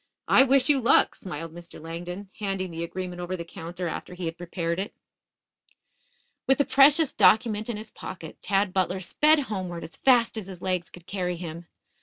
I wish you luck," smiled Mr. Langdon, handing the agreement over the counter after he had prepared it. With the precious document in his pocket, Tad Butler sped homeward as fast as his legs could carry him.